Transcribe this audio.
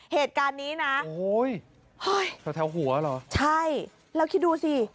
เหตุการณ์นี้นะโอ้โฮโอ้ยใช่แล้วคิดดูสิ